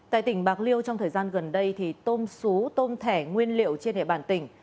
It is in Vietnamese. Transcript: tại tỉnh bạc liêu trong thời gian gần đây tôm sú tôm thẻ nguyên liệu trên hệ bàn tỉnh